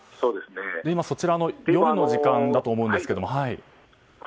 そちらは夜の時間だと思うんですけど。